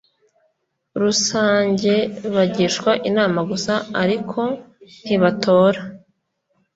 Rusange Bagishwa inama gusa ariko ntibatora